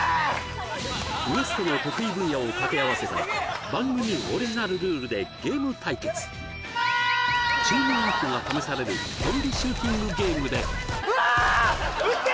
ＷＥＳＴの得意分野を掛け合わせた番組オリジナルルールでゲーム対決チームワークが試されるゾンビシューティングゲームで撃って！